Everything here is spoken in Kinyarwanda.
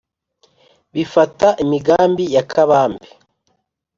bifata imigambi ya kabambe